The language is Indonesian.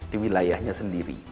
di wilayahnya sendiri